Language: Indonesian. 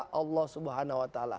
tidak sesuai dengan nilai keadilan